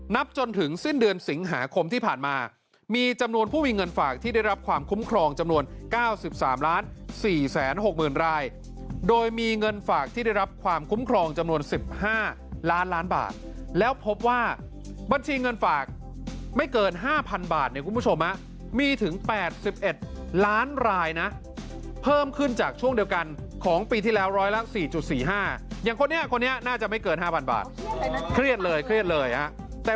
นับจนถึงสิ้นเดือนสิงหาคมที่ผ่านมามีจำนวนผู้มีเงินฝากที่ได้รับความคุ้มครองจำนวนเก้าสิบสามล้านสี่แสนหกหมื่นรายโดยมีเงินฝากที่ได้รับความคุ้มครองจำนวนสิบห้าล้านล้านบาทแล้วพบว่าบัญชีเงินฝากไม่เกินห้าพันบาทในคุณผู้ชมมีถึงแปดสิบเอ็ดล้านรายนะเพิ่มขึ้นจากช่วงเด